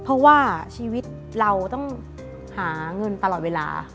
เพราะว่าชีวิตเราต้องหาเงินตลอดเวลา